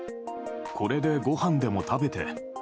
これで、ごはんでも食べて。